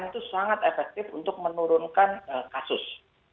itu sangat efektif untuk menurunkan kasus